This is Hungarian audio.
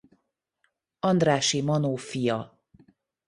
Andrássy Manó fia.